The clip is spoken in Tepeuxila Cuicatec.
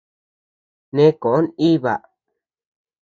Neʼe koʼö nʼiba.